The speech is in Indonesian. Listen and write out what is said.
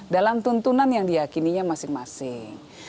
dalam tuntunan yang diakininya masing masing